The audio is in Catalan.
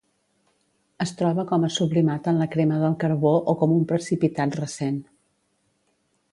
Es troba com a sublimat en la crema del carbó o com un precipitat recent.